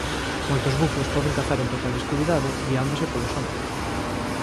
Moitos bufos poden cazar en total escuridade guiándose polo son.